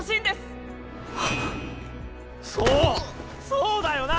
そうだよな！